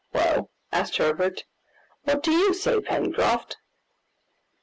"Well," asked Herbert, "what do you say, Pencroft?"